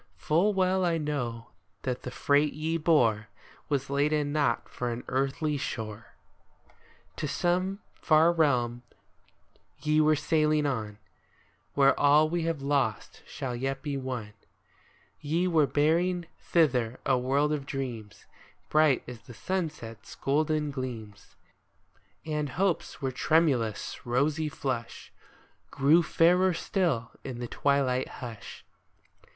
Full well I know that the freight ye bore Was laden not for an earthly shore ! THE THREE SHIPS To some far realm ye were sailing on, Where all we have lost shall yet be won ; Ye were bearing thither a world of dreams, Bright as that sunset's golden gleams ; And hopes whose tremailous, rosy flush, Grew fairer still in the twilight hush.